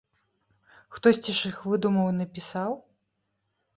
Хтосьці ж іх выдумаў і напісаў!